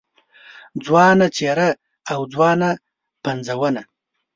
ځوانه څېره او ځوانه پنځونه